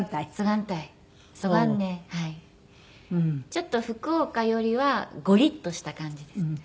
ちょっと福岡よりはゴリッとした感じですね。